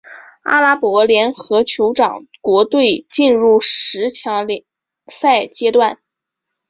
阿拉伯联合酋长国队进入十强赛阶段。